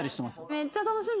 めっちゃ楽しみ。